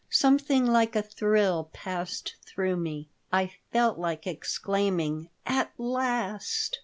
Something like a thrill passed through me. I felt like exclaiming, "At last!"